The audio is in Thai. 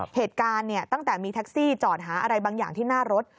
เหตุการณ์เนี่ยตั้งแต่มีแท็กซี่จอดหาอะไรบางอย่างที่หน้ารถ